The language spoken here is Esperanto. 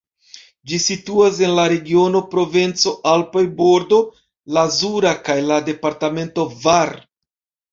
Ĝi situas en la regiono Provenco-Alpoj-Bordo Lazura kaj la departemento Var.